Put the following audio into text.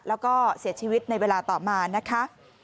แล้วก็เสียชีวิตในเวลาต่อมานะคะ